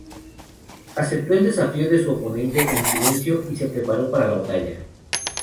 Aceptó el desafío de su oponente en silencio, y se preparó para la batalla.